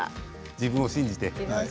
自分を信じて。